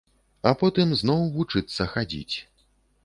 А потым зноў вучыцца хадзіць.